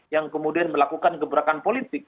yang kemudian melakukan gebrakan politik